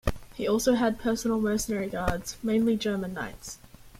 He also had personal mercenary guards, mainly German knights.